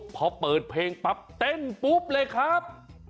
พอเปิดเพลงปั๊บเต้นปุ๊บเลยครับ